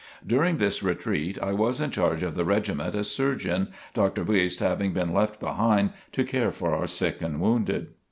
During this retreat I was in charge of the regiment as surgeon, Dr. Buist having been left behind to care for our sick and wounded.